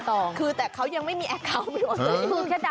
สุดยอด